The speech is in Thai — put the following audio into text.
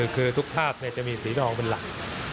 คือทุกภาพจะมีสีดองเป็นหลัก